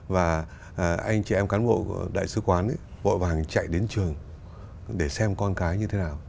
và anh chị em cán bộ của đại sứ oán ta bội vàng chạy đến trường để xem con cái như thế nào